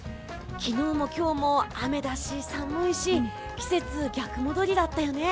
昨日も今日も雨だし寒いし季節、逆戻りだったよね。